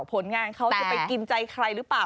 ผลงานเขาจะไปกินใจใครหรือเปล่า